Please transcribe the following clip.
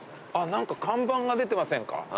あっ何か看板が出てませんか。